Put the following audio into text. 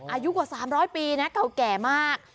อายุกว่า๓๐๐ปีนะเก่าแก่มาก